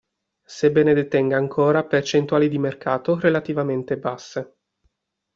Sebbene detenga ancora percentuali di mercato relativamente basse.